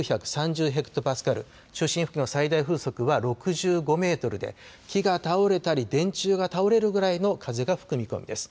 ヘクトパスカル中心付近の最大風速は６５メートルで木が倒れたり電柱が倒れるぐらいの風が吹く見込みです。